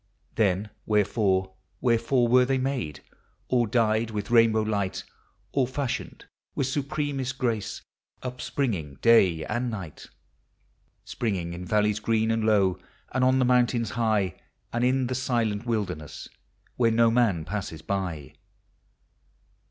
Then wherefore, wherefore were they made, All dyed with rainbow light, All fashioned with supremesl grace, Upspringing day and night :— Springing in valleys green and low. And on the mountains high. And in the silent wilderness Where no man passes by?